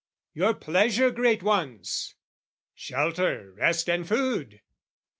"Your pleasure, great ones?" "Shelter, rest and food!"